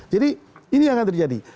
jadi ini yang akan terjadi